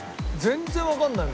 全然わかんない。